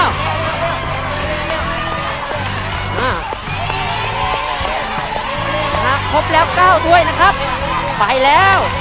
ครับครบแล้วก้าวด้วยนะครับไปแล้ว